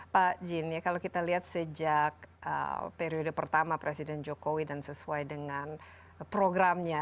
pak jin ya kalau kita lihat sejak periode pertama presiden jokowi dan sesuai dengan programnya